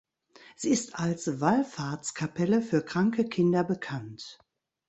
Sie ist als Wallfahrtskapelle für kranke Kinder bekannt.